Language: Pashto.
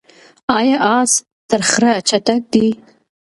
آیا آس تر خره چټک دی؟